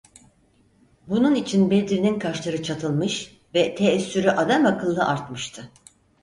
Bunun için Bedri’nin kaşları çatılmış ve teessürü adamakıllı artmıştı.